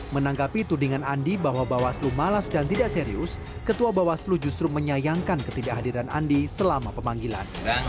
menanggapi tudingan andi bahwa bawaslu malas dan tidak serius ketua bawaslu justru menyayangkan ketidakhadiran andi selama pemanggilan